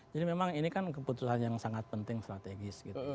jadi memang ini kan keputusan yang sangat penting strategis gitu